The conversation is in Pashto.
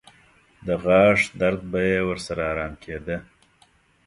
د غاښ درد به یې ورسره ارام کېده.